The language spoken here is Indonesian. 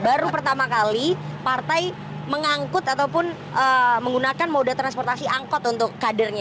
baru pertama kali partai mengangkut ataupun menggunakan moda transportasi angkot untuk kadernya